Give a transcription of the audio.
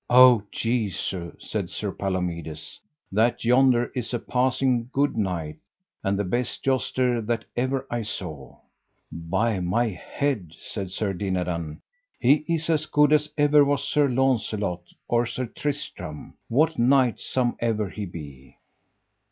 O Jesu, said Sir Palomides, that yonder is a passing good knight, and the best jouster that ever I saw. By my head, said Sir Dinadan, he is as good as ever was Sir Launcelot or Sir Tristram, what knight somever he be.